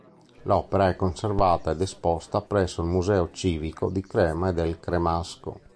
L'opera è conservata ed esposta presso il Museo civico di Crema e del Cremasco.